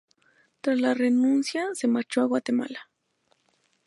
Tras la renuncia se marchó a Guatemala.